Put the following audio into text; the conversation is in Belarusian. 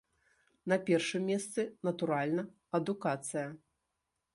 На першым месцы, натуральна, адукацыя.